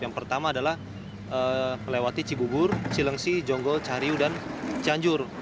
yang pertama adalah melewati cibugur cilengsi jonggo cahriu dan cianjur